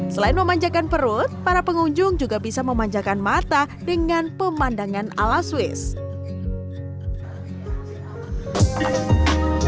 selain memanjakan perut para pengunjung juga bisa memanjakan mata dengan pemandangan ala swiss